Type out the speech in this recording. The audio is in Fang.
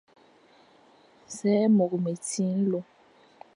Sè môr meti nlô.